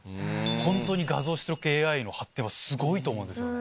本当に画像出力ＡＩの発展はすごいと思うんですよ。